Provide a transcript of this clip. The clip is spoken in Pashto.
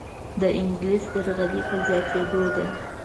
دانګلیس درغلۍ په زیاتیدو ده.